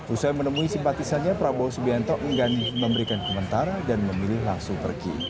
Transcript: usai menemui simpatisannya prabowo subianto enggan memberikan komentar dan memilih langsung pergi